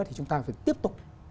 thì chúng ta phải tiếp tục